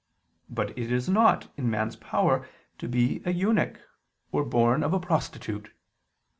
But it is not in man's power to be an eunuch, or born of a prostitute.